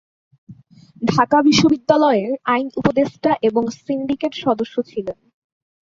ঢাকা বিশ্ববিদ্যালয়ের আইন উপদেষ্টা এবং সিন্ডিকেট সদস্য ছিলেন।